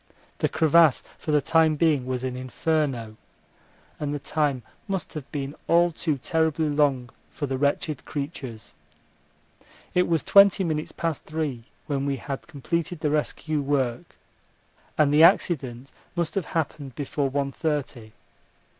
The crevasse for the time being was an inferno, and the time must have been all too terribly long for the wretched creatures. It was twenty minutes past three when we had completed the rescue work, and the accident must have happened before one thirty.